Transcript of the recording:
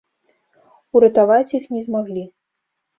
Уратаваць іх не змаглі.